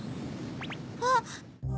あっ。